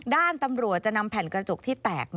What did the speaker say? ด้านตำรวจจะนำแผ่นกระจกที่แตก